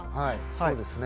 そうですね。